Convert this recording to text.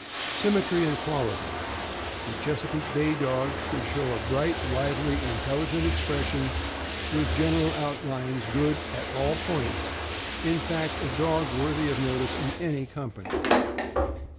Symmetry and quality. — The Chesapeake Bay Dog should show a bright, lively, intelligent expression, with general outlines good at all points; in fact, a dog worthy of notice in any company.